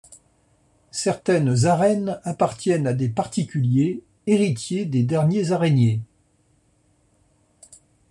Certaines areines appartiennent à des particuliers, héritiers des derniers areiniers.